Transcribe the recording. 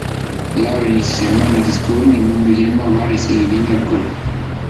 Laurent y sus hermanos descubren el mundo yendo a bares y bebiendo alcohol.